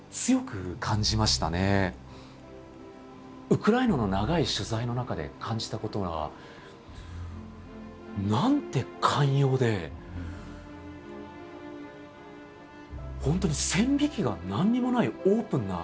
ウクライナの長い取材の中で感じたことがなんて寛容で本当に線引きが何にもないオープンな。